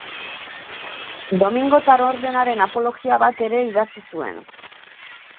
Domingotar ordenaren apologia bat ere idatzi zuen.